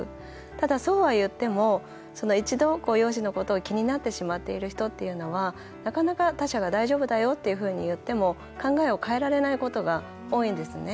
ただ、そうはいっても一度、容姿のことを気になってしまってる人というのは、なかなか他者が大丈夫だよっていうふうに言っても、考えを変えられないことが多いんですね。